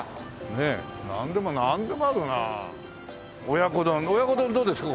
親子丼親子丼どうですか？